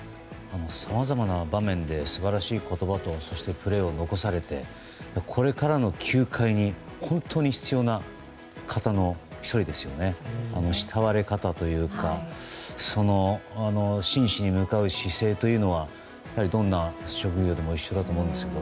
さまざまな場面で素晴らしい言葉とそしてプレーを残されてこれからの球界に本当に必要な方の慕われ方というか真摯に向かう姿勢というのは一緒だと思いますけど。